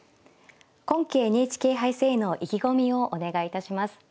今期ＮＨＫ杯戦への意気込みをお願いいたします。